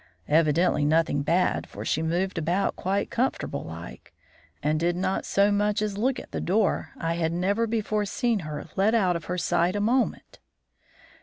"Evidently nothing bad; for she moved about quite comfortable like, and did not so much as look at the door I had never before seen her let out of her sight a moment.